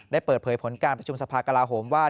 ได้เปิดเผยพ้นประชุมสภาคกราโฮมว่า